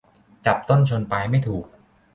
จับต้นชนปลายไม่ถูก